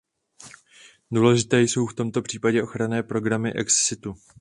Důležité jsou v tomto případě ochranné programy ex situ.